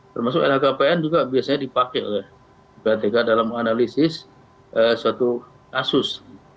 termasuk lhkpn juga biasanya dipakai oleh ppatk dalam menganalisis suatu kasus